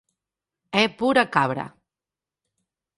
É pura cabra.